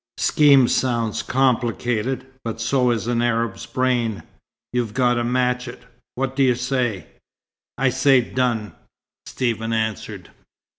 Scheme sounds complicated; but so is an Arab's brain. You've got to match it. What do you say?" "I say 'done!'" Stephen answered.